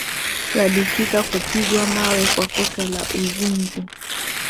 sadikika kupigwa mawe kwa kosa la uzinzi